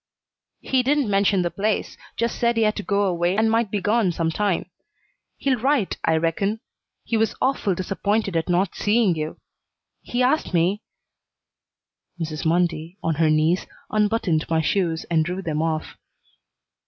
"He didn't mention the place, just said he had to go away and might be gone some time. He'll write, I reckon. He was awful disappointed at not seeing you. He asked me " Mrs. Mundy, on her knees, unbuttoned my shoes and drew them off.